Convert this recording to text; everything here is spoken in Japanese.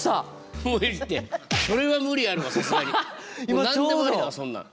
もう何でもありだわそんなん。